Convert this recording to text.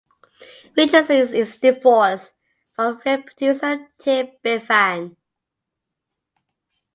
Richardson is divorced from film producer Tim Bevan.